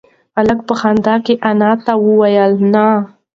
هلک په خندا کې انا ته وویل نه.